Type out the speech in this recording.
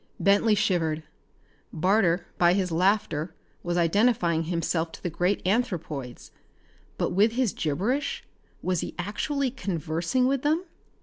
Bentley shivered. Barter, by his laughter, was identifying himself to the great anthropoids. But with his gibberish was he actually conversing with them?